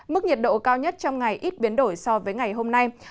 mức nhiệt độ cao nhất trong ngày ít biến đổi so với ngày hôm nay